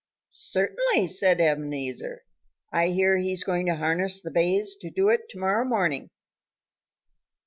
"Certainly!" said Ebenezer. "I hear he's going to harness the bays to it to morrow morning."